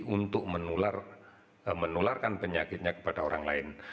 untuk menularkan penyakitnya kepada orang lain